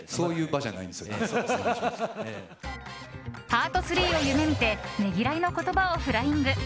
パート３を夢見てねぎらいの言葉をフライング。